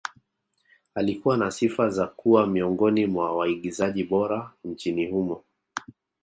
Alikuwa na sifa za kuwa miongoni mwa waigizaji bora nchini humo